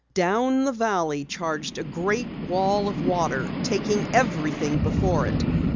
Down the valley charged a great wall of water, taking everything before it.